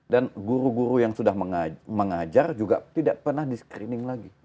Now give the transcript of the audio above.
dan guru guru yang sudah mengajar juga tidak pernah di screening lagi